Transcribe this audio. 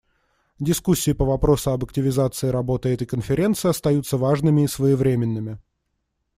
Дискуссии по вопросу об активизации работы этой Конференции остаются важными и своевременными.